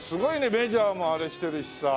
メジャーもあれしてるしさ。